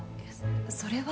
それは。